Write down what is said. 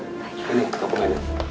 ini tolong aja